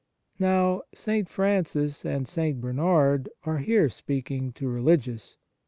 Now St. Francis and St. Bernard are here speaking to religious.